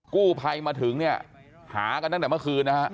กู้ภัยมาถึงเนี่ยหากันตั้งแต่เมื่อคืนนะฮะ